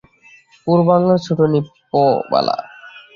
পুরবালার ছোটো নৃপবালা।